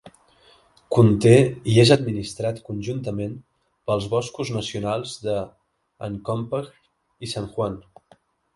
Conté i és administrat conjuntament pels boscos nacionals de Uncompahgre i San Juan.